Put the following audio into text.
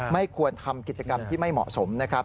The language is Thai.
ไม่ควรทำกิจกรรมที่ไม่เหมาะสมนะครับ